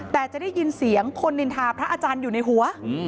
แต่จะได้ยินเสียงคนนินทาพระอาจารย์อยู่ในหัว